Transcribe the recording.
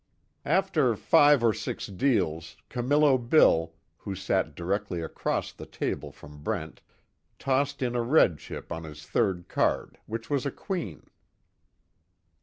After five or six deals Camillo Bill, who sat directly across the table from Brent tossed in a red chip on his third card which was a queen.